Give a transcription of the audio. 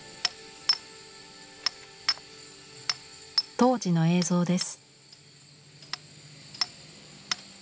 当時の映像です。